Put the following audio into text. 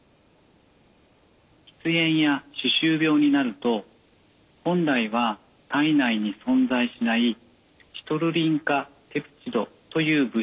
喫煙や歯周病になると本来は体内に存在しないシトルリン化ペプチドという物質が作られます。